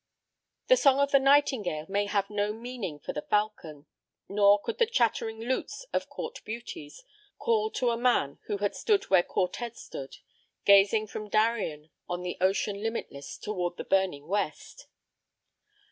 The song of the nightingale may have no meaning for the falcon. Nor could the chattering lutes of "court beauties" call to a man who had stood where Cortez stood, gazing from Darien on the ocean limitless toward the burning west.